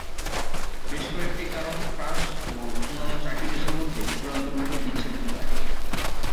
বেশ কয়েকটি কারণ ফ্রান্স ও অন্যান্য চারটি দেশের মধ্যে চূড়ান্তভাবে বিচ্ছেদ ঘটায়।